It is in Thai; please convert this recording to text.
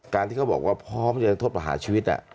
การที่เขาบอกว่าพร้อมทดประหาชีวิต